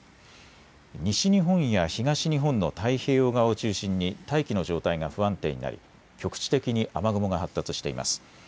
西日本や東日本の太平洋側を中心に大気の状態が不安定になり局地的に雨雲が発達しています。